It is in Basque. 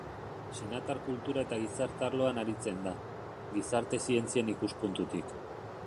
Txinatar kultura eta gizarte arloan aritzen da, gizarte zientzien ikuspuntutik.